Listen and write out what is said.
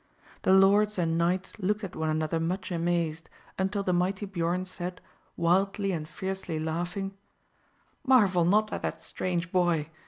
The lords and knights looked at one another much amazed, until the mighty Biorn said, wildly and fiercely laughing, "Marvel not at that strange boy.